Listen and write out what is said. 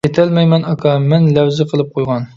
-كېتەلمەيمەن، ئاكا، مەن لەۋزى قىلىپ قويغان.